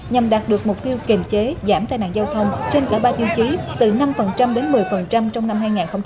nhằm đạt được mục tiêu kiềm chế giảm tai nạn giao thông trên cả ba tiêu chí từ năm đến một mươi trong năm hai nghìn một mươi sáu